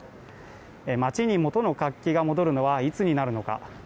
街に元の活気が戻るのはいつになるのか。